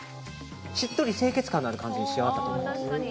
しっとり清潔感のある感じに仕上がったと思います。